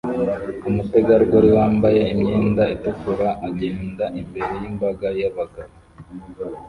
Umutegarugori wambaye imyenda itukura agenda imbere yimbaga yabagabo